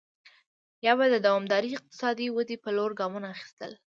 یا به د دوامدارې اقتصادي ودې په لور ګامونه اخیستل.